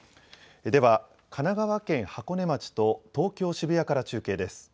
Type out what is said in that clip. では、神奈川県箱根町と東京渋谷から中継です。